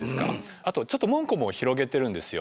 あとちょっと門戸も広げてるんですよ。